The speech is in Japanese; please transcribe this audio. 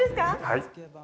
はい。